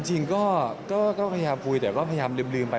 จริงก็พยายามคุยแต่ก็พยายามลืมไป